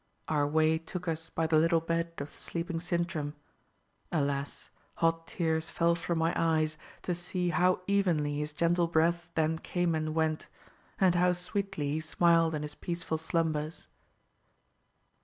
Our way took us by the little bed of the sleeping Sintram. Alas! hot tears fell from my eyes to see how evenly his gentle breath then came and went, and how sweetly he smiled in his peaceful slumbers."